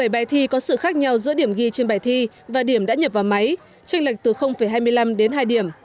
bảy bài thi có sự khác nhau giữa điểm ghi trên bài thi và điểm đã nhập vào máy tranh lệch từ hai mươi năm đến hai điểm